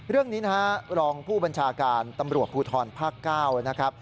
เรื่องนี้รองผู้บัญชาการตำรวจพูทรภาคเก้า